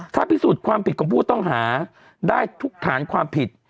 ถ้าพิสูจน์ความผิดของผู้ต้องหาได้ทุกฐานความผิด